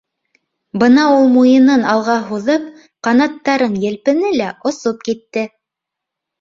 Бына ул муйынын алға һуҙып, ҡанаттарын елпене лә осоп китте.